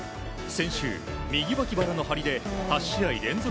先週、右脇腹の張りで８試合連続